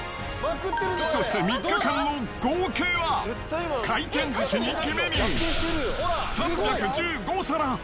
そして３日間の合計は、回転寿司人気メニュー３１５皿。